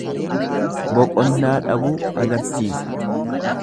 Boqonnaa dhabuu agarsiisa.